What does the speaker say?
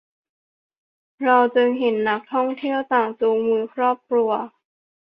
เราจึงเห็นนักท่องเที่ยวต่างจูงมือครอบครัว